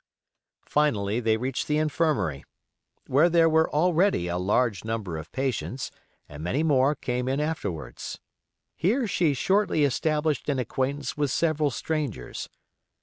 Finally they reached the infirmary, where there were already a large number of patients, and many more came in afterwards. Here she shortly established an acquaintance with several strangers.